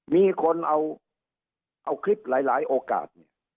มีคนเอาคลิปหลายโอกาส